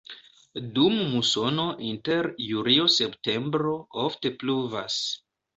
Dum musono inter julio-septembro ofte pluvas.